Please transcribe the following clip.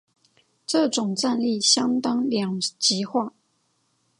这种战力相当两极化。